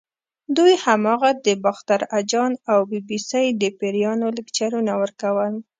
دوی هماغه د باختر اجان او بي بي سۍ د پیریانو لیکچرونه ورکول.